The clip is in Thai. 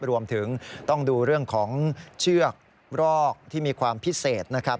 รวมถึงต้องดูเรื่องของเชือกรอกที่มีความพิเศษนะครับ